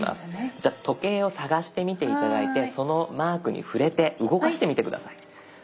じゃあ時計を探してみて頂いてそのマークに触れて動かしてみて下さい。